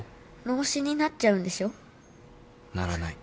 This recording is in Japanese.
脳死になっちゃうんでしょ？ならない。